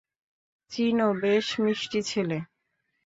চিনো বেশ মিষ্টি ছেলে।